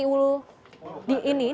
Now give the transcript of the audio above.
ini kan diikuti nih